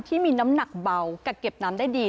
ที่มีน้ำหนักเบากักเก็บน้ำได้ดี